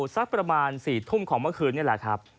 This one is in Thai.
สักประมาณ๔ทุ่มของเมื่อคืนนี่แหละครับ